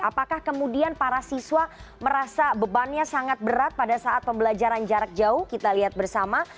apakah kemudian para siswa merasa bebannya sangat berat pada saat pembelajaran jarak jauh kita lihat bersama